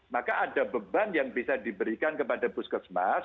maka ada beban yang bisa diberikan kepada puskesmas